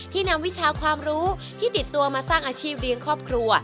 นำวิชาความรู้ที่ติดตัวมาสร้างอาชีพเลี้ยงครอบครัว